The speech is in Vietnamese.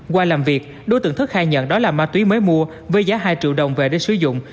qua làm việc đối tượng thức khai nhận đó là ma túy mới mua với giá hai triệu đồng về để sử dụng